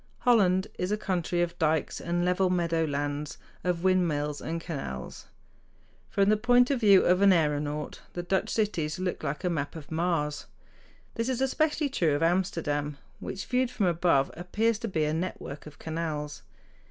Holland is a country of dikes and level meadow lands, of windmills and canals. From the point of view of an aëronaut the Dutch cities look like a map of Mars. This is especially true of Amsterdam, which, viewed from above, appears to be a network of canals.